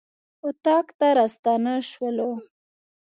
اطاق ته راستانه شولو.